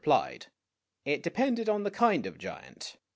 replied. It depended on the kind of giant.